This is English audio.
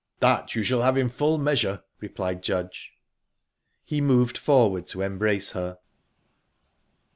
"That you shall have in full measure," replied Judge. He moved forward to embrace her.